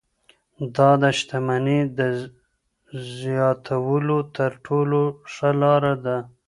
دا د شتمنۍ د زیاتولو تر ټولو ښه لار ده.